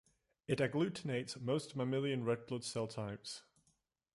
It agglutinates most mammalian red blood cell types.